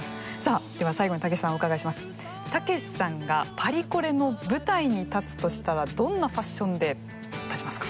たけしさんがパリコレの舞台に立つとしたらどんなファッションで立ちますか？